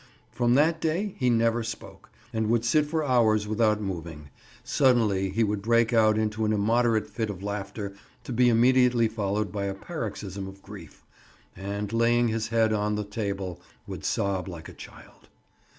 From that day he never spoke, and would sit for hours without moving; suddenly he would break out into an immoderate fit of laughter, to be immediately followed by a paroxysm of grief, and, laying his head on the table, would sob like a child.